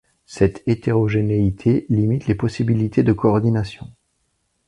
Cette hétérogénéité limite les possibilités de coordination.